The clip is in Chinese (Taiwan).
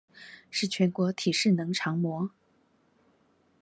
是全國體適能常模